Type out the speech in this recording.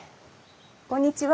こんにちは。